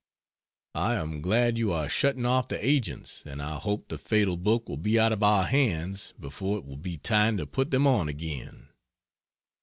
I am glad you are shutting off the agents, and I hope the fatal book will be out of our hands before it will be time to put them on again.